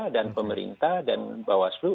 dan pemerintah dan bawaslu